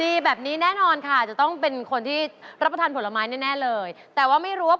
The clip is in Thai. ๑กิโลบาทตังค์หมอพร้อม๑กิโลบาทถังความความมาก